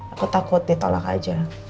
aku takut ditolak aja